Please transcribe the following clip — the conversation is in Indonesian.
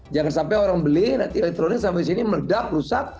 jangan sampai orang beli nanti elektronik sampai sini meledak rusak